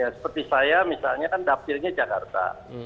seperti saya misalnya kan dapilnya jakarta